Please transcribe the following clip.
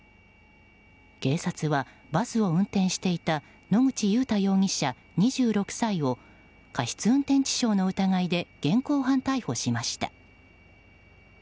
警察はバスを運転していた野口祐太容疑者、２６歳を過失運転致傷の疑いで現行犯逮捕しました。